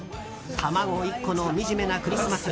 卵１個のみじめなクリスマス。